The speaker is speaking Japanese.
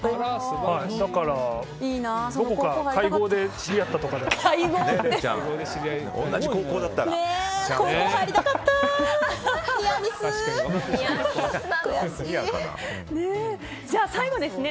だから、どこか会合で知り合ったとかじゃないですかね。